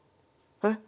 えっ？